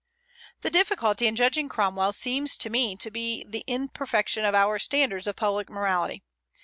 The difficulty in judging Cromwell seems to me to be in the imperfection of our standards of public morality.